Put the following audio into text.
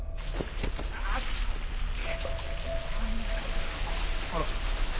あら。